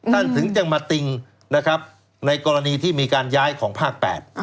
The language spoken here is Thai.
ท่านถึงจะมาติ่งในกรณีที่มีการย้ายของภาค๘